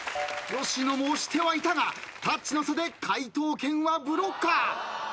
吉野も押してはいたがタッチの差で解答権はブロッカー。